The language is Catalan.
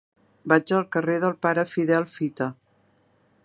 Vaig al carrer del Pare Fidel Fita.